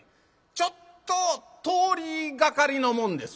ちょっと通りがかりのもんです」。